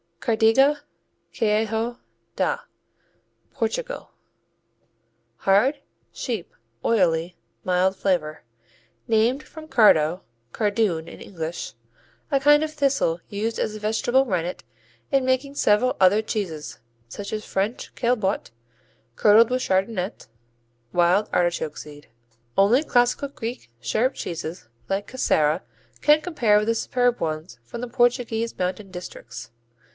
Cardiga, Queijo da Portugal Hard; sheep; oily; mild flavor. Named from cardo, cardoon in English, a kind of thistle used as a vegetable rennet in making several other cheeses, such as French Caillebottes curdled with chardonnette, wild artichoke seed. Only classical Greek sheep cheeses like Casera can compare with the superb ones from the Portuguese mountain districts.